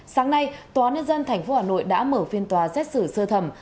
sáng nay tòa nguyên dân tp hà nội đã mở phiên tòa xét xử sơ thẩm